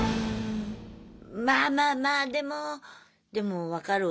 まあまあまあでもでも分かるわ。